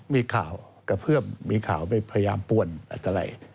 มีข่าวก็เพิ่มมีข่าวไปพยายามปวนอาจจะไหล